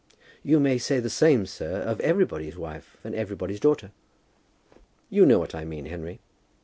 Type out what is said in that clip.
"You may say the same, sir, of everybody's wife and everybody's daughter." "You know what I mean, Henry."